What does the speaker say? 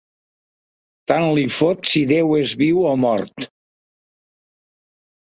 Tant li fot si Déu és viu o mort.